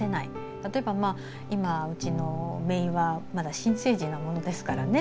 例えば今、うちのめいはまだ新生児なものですからね。